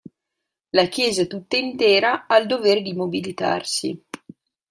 La Chiesa tutta intera ha il dovere di mobilitarsi.